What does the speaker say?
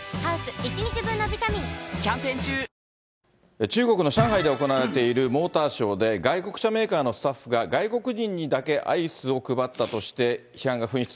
ただ、中国の上海で行われているモーターショーで、外国車メーカーのスタッフが、外国人にだけアイスを配ったとして批判が噴出。